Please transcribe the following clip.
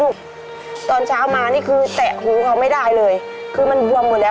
โปรดติดตามต่อไป